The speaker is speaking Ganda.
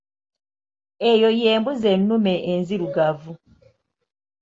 Eyo ye mbuzi ennume enzirugavu.